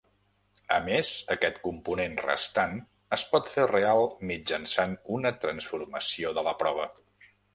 A més, aquest component restant es pot fer real mitjançant una transformació de la prova.